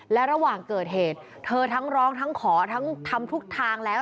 และระหว่างเกิดเหตุเธอทั้งร้องทั้งขอทั้งทำทุกทางแล้ว